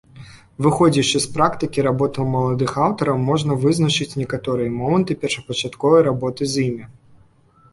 Выходзячы з практыкі работы маладых аўтараў, можна вызначыць некаторыя моманты першапачатковай работы з імі.